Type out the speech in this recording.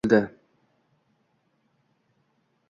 U Qrimsiz so’ldi – o’ldi.